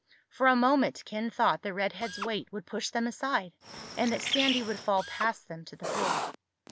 For a moment Ken thought the redhead's weight would push them aside, and that Sandy would fall past them to the floor.